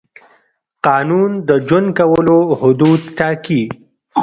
قانون د ژوند کولو حدود ټاکي.